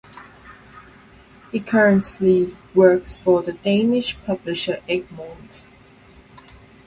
He currently works for the Danish publisher Egmont.